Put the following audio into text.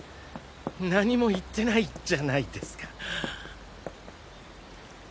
何も言ってないじゃないですか。